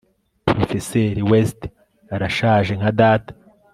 Porofeseri West arashaje nka data